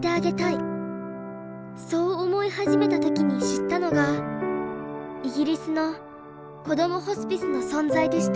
そう思い始めた時に知ったのがイギリスのこどもホスピスの存在でした。